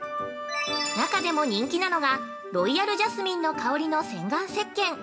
◆中でも人気なのがロイヤルジャスミンの香りの洗顔石けん。